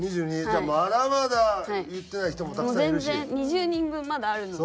じゃあまだまだ言ってない人もたくさんいるし。